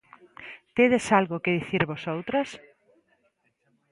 ¿Tedes algo que dicir vosoutras...?